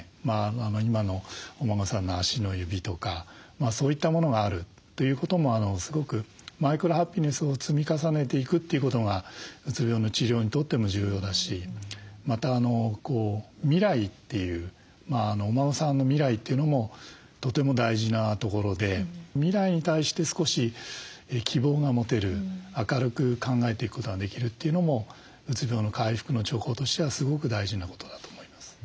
今のお孫さんの足の指とかそういったものがあるということもすごくマイクロハピネスを積み重ねていくということがうつ病の治療にとっても重要だしまた未来というお孫さんの未来というのもとても大事なところで未来に対して少し希望が持てる明るく考えていくことができるというのもうつ病の回復の兆候としてはすごく大事なことだと思います。